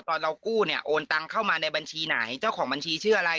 เรากู้เนี่ยโอนตังเข้ามาในบัญชีไหนเจ้าของบัญชีชื่ออะไร